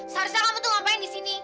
seharusnya kamu tuh ngapain disini